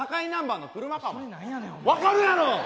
分かるやろ！